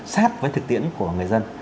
sát với thực tiễn của người dân